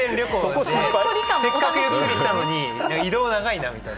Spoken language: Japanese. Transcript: せっかくゆっくりしたのに、移動長いなみたいな。